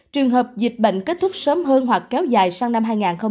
trường hợp dịch bệnh kết thúc sớm hơn hoặc kéo dài sang năm hai nghìn hai mươi